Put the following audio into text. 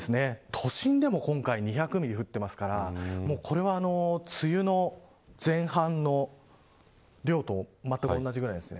都心でも今回２００ミリ降ってますからこれは梅雨の前半の量とまったく同じぐらいです。